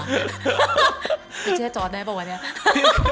ไม่เชื่อจอร์สได้ป่ะวันนี้